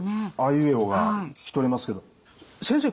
「あいうえお」が聞き取れますけど先生